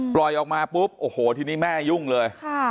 ปล่อยออกมาปุ๊บโอ้โหทีนี้แม่ยุ่งเลย